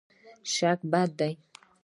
شک بد دی.